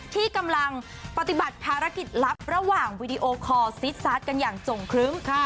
ที่กำลังปฏิบัติภารกิจลับระหว่างวีดีโอคอร์ซิดซาสกันอย่างจงครึ้ม